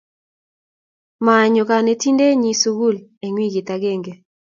Manyo konetindenyin sukul eng' wikit agenge